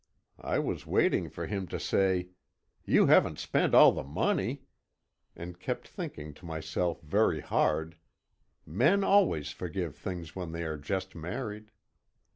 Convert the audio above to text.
I was waiting for him to say: "You haven't spent all the money!" and kept thinking to myself very hard "Men always forgive things when they are just married."